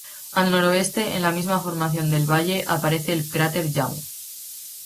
Al noroeste, en la misma formación del valle, aparece el cráter Young.